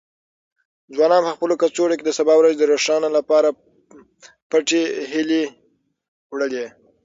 ځوانانو په خپلو کڅوړو کې د سبا ورځې د روښنايي لپاره پټې هیلې وړلې.